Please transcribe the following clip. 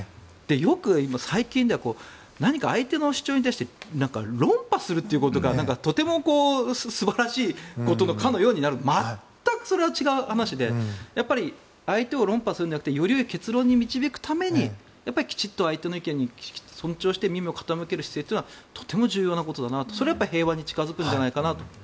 よく、最近では何か相手の主張に対して論破するということがとても素晴らしいことかのようになる全くそれは違う話で相手を論破するのではなくてよりよい結論に導くためにきっちり相手の意見を尊重して耳を傾ける姿勢はとても重要なことだなとそれは平和に近付くんじゃないかなと。